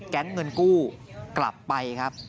แก๊งเงินกู้กลับไปครับ